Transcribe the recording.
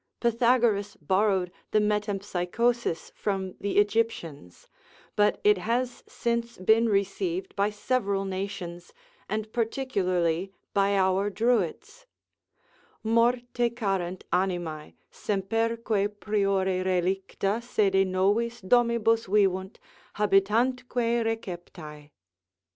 Pythagoras borrowed the metempsychosis from the Egyptians; but it has since been received by several nations, and particularly by our Druids: "Morte carent animae; semperque, priore relicts Sede, novis domibus vivunt, habitantque receptae."